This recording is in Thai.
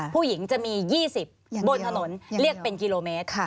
ผู้หญิงจะมี๒๐บนถนนเรียกเป็นกิโลเมตร